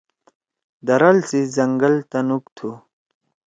درال سی زنگل تَنُوک تُھو۔